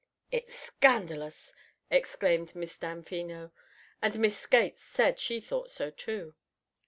"It's scandalous!" exclaimed Miss Damfino, and Miss Skates said she thought so, too.